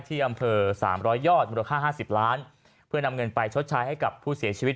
ที่อำเภอ๓๐๐ยอดมูลค่า๕๐ล้านเพื่อนำเงินไปชดใช้ให้กับผู้เสียชีวิต